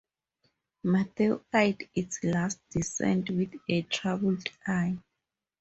Matthew eyed its last descent with a troubled eye.